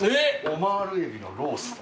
オマール海老のロースト。